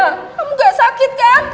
kamu gak sakit kan